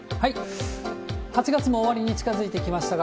８月も終わりに近づいてきましたが、